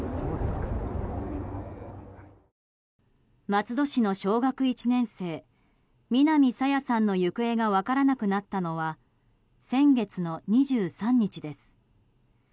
松戸市の小学１年生南朝芽さんの行方が分からなくなったのは先月の２３日です。